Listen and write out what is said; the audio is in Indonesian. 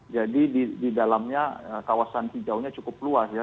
jadi di dalamnya kawasan hijaunya cukup luas ya